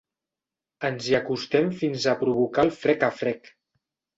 Ens hi acostem fins a provocar el frec a frec.